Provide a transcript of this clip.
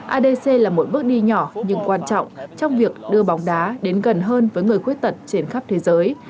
adc là một bước đi nhỏ nhưng quan trọng trong việc đưa bóng đá đến gần hơn với người khuyết tật trên khắp thế giới